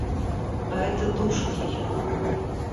А это душит ее.